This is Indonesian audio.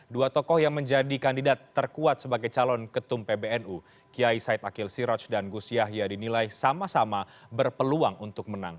dua tokoh yang menjadi kandidat terkuat sebagai calon ketum pbnu kiai said akil siraj dan gus yahya dinilai sama sama berpeluang untuk menang